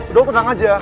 udah lu tenang aja